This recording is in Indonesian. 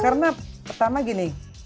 karena pertama gini